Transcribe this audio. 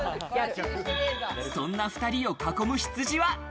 そんな２人を囲む羊は。